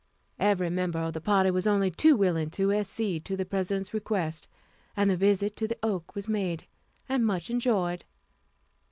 Every member of the party was only too willing to accede to the President's request, and the visit to the oak was made, and much enjoyed.